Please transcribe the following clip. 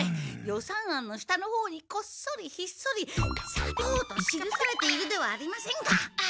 予算案の下のほうにこっそりひっそりさとうと記されているではありませんか！